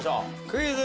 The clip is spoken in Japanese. クイズ。